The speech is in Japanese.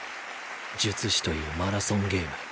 術師というマラソンゲーム。